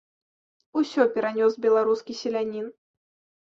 Усё перанёс беларускі селянін.